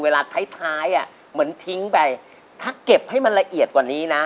เวลาท้ายอ่ะเหมือนทิ้งไปถ้าเก็บให้มันละเอียดกว่านี้นะ